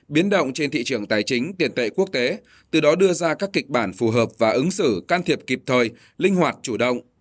biến động trên thị trường tài chính tiền tệ quốc tế từ đó đưa ra các kịch bản phù hợp và ứng xử can thiệp kịp thời linh hoạt chủ động